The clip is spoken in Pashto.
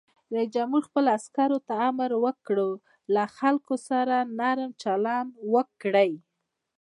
رئیس جمهور خپلو عسکرو ته امر وکړ؛ له خلکو سره نرم چلند وکړئ!